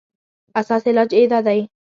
اسان علاج ئې دا دی